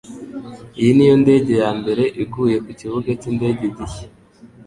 Iyi niyo ndege yambere iguye kukibuga cyindege gishya.